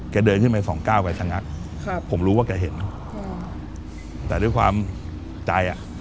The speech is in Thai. เดินขึ้นไปสองก้าวแกชะงักครับผมรู้ว่าแกเห็นแต่ด้วยความใจอ่ะ